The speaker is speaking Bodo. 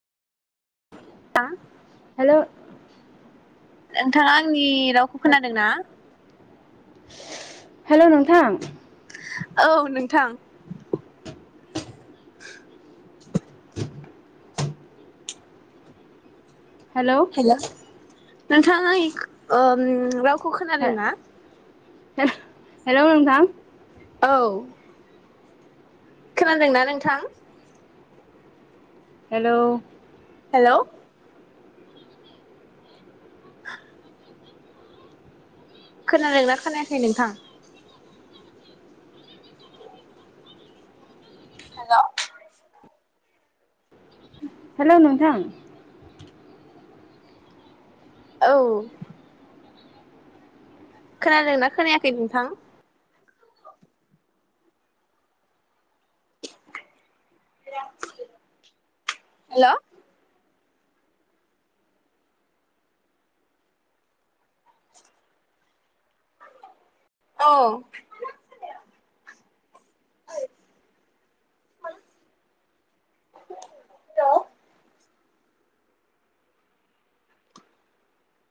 हा? हेलौ नोंथाङा आंनि रावखौ खोनादों ना? [unintelligible] हेलौ नोंथां औ नोंथां [inaudible] हेलौ हेल' नोंथाङा आंनि रावखौ खौ खोनादों ना? हेलौ नोंथां औ खोनादोंना नोंथां? हेलौ हेलौ खोनादों ना खोनायाखै नोंथां? हेल' हेल' नोंथां औ खोनादोंना खोनायाखै नोंथां? हेल' औ औ